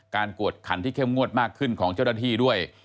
กวดขันที่เข้มงวดมากขึ้นของเจ้าหน้าที่ด้วย